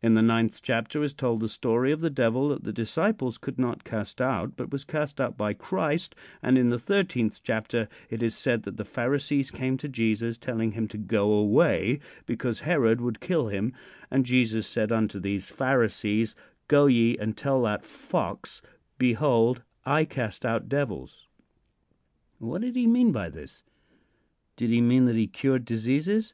In the ninth chapter is told the story of the devil that the disciples could not cast out, but was cast out by Christ, and in the thirteenth chapter it is said that the Pharisees came to Jesus, telling him to go away, because Herod would kill him, and Jesus said unto these Pharisees; "Go ye, and tell that fox, behold, I cast out devils." What did he mean by this? Did he mean that he cured diseases?